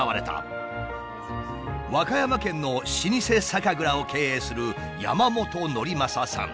和歌山県の老舗酒蔵を経営する山本典正さん。